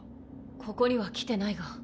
ここには来てないが。